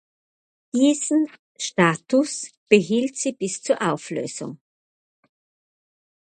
Diesen Status behielt sie bis zur Auflösung.